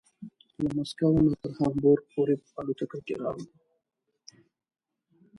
له مسکو نه تر هامبورګ پورې په الوتکه کې راغلو.